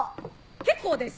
結構です！